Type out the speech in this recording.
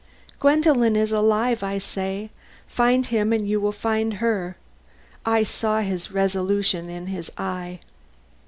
Gwendolen is alive, I say. Find him and you will find her. I saw his resolution in his eye."